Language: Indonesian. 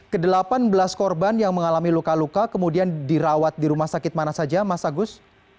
ke delapan belas korban yang mengalami luka luka kemudian dirawat di rumah sakit mana saja mas agus